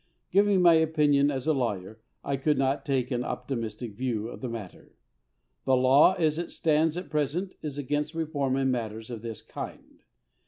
Giving my opinion as a lawyer, I could not take an optimistic view of the matter. _The law as it stands at present is against reform in matters of this kind.